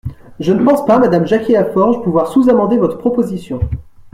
Je ne pense pas, madame Jacquier-Laforge, pouvoir sous-amender votre proposition.